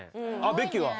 ベッキーは？え！